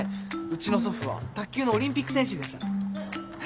うちの祖父は卓球のオリンピック選手でした。